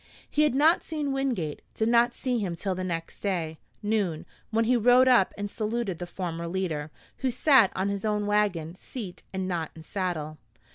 He had not seen Wingate did not see him till the next day, noon, when he rode up and saluted the former leader, who sat on his own wagon seat and not in saddle.